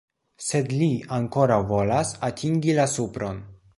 Sed li ankoraŭ volas atingi la supron.